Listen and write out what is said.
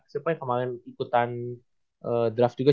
siapa yang kemarin ikutan draft juga